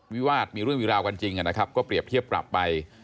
วิวาสมีเรื่องวิราวกันจริงก็เปรียบเทียบกลับไป